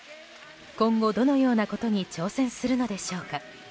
今後、どのようなことに挑戦するのでしょうか。